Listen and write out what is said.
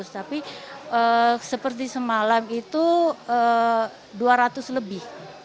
tapi seperti semalam itu dua ratus lebih